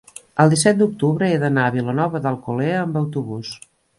El disset d'octubre he d'anar a Vilanova d'Alcolea amb autobús.